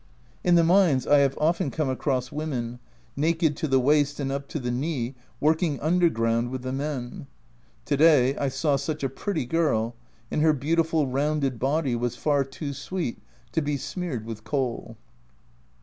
In the mines I have often come across women, naked to the waist and up to the knee, working underground with the men. To day I saw such a pretty girl, and her beautiful rounded body was far too sweet to be smeared with coal.